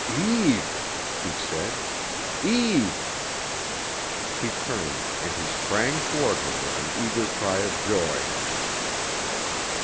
"Eve," he said, "Eve!" She turned, and he sprang toward her with an eager cry of joy.